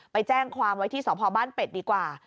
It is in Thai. ไปแจ้งความไว้ที่สพบ้านเป็ดดีกว่า